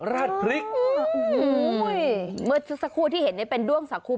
เหมือนสักครู่ที่เห็นเป็นด้วงสาคู